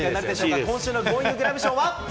今週のゴーインググラブ賞は。